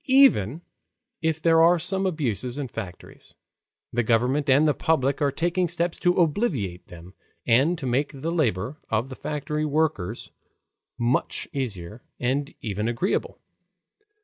Even if there are some abuses in factories, the government and the public are taking steps to obviate them and to make the labor of the factory workers much easier, and even agreeable.